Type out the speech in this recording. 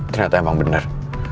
ternyata emang bener